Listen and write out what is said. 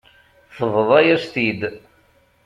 Tebḍa-yas-t-id.